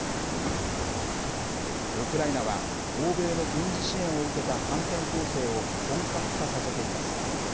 ウクライナは欧米の軍事支援を受けた反転攻勢を本格化させています。